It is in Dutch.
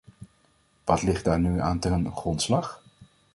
Wat ligt daar nu aan ten grondslag?